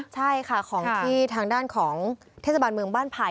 ใช่ค่ะของที่ทางด้านของเทศบาลเมืองบ้านไผ่